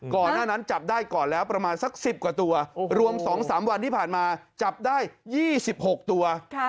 ก่อนหน้านั้นจับได้ก่อนแล้วประมาณสักสิบกว่าตัว